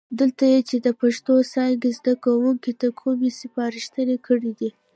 دلته یې چې د پښتو څانګې زده کوونکو ته کومې سپارښتنې کړي دي،